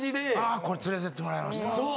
あこれ連れて行って貰いました！